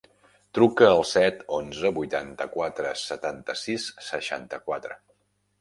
Truca al set, onze, vuitanta-quatre, setanta-sis, seixanta-quatre.